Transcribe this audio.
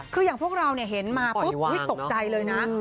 คืออย่างพวกเราเห็นมาปุ๊บตกใจเลยนะ